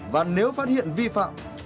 và nếu phát hiện vi phạm